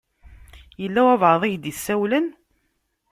Yella walebɛaḍ i ak-d-isawlen?